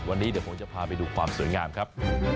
วันนี้เดี๋ยวผมจะพาไปดูความสวยงามครับ